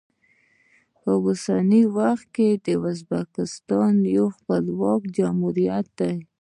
په اوسني وخت کې ازبکستان یو خپلواک جمهوریت دی.